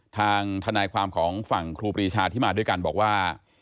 ทางทนายความของฝั่งครูปรีชาที่มาด้วยกันบอกว่า